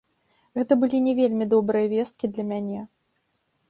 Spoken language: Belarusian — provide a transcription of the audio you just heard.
Гэта былі не вельмі добрыя весткі для мяне.